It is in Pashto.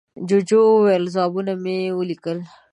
جوجو وویل، ځوابونه مې وليکل.